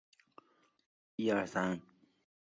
奉天农业试验场在这样的背景下成立。